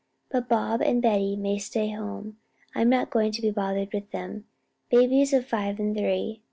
But Bob and Betty may stay at home, I'm not going to be bothered with them, babies of five and three.